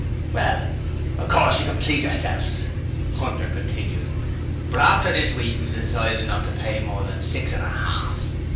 'Well, of course you can please yourselves,' Hunter continued, 'but after this week we've decided not to pay more than six and a half.